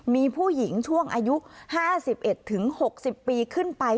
มีผู้หญิงช่วงอายุ๕๑๖๐ปีขึ้นไป